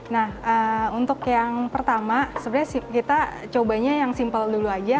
nah untuk yang pertama sebenarnya kita cobanya yang simpel dulu aja